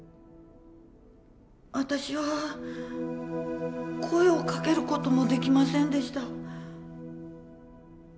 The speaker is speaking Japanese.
私は声をかける事もできませんでした。